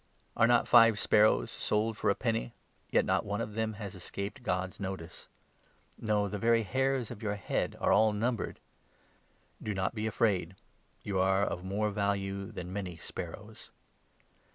Are not five sparrows sold for a penny ? Yet not one of them has escaped God's notice. No, the very hairs of your head are all numbered. Do not be afraid ; you are of more value than many sparrows.